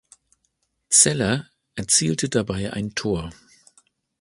Zeller erzielte dabei ein Tor.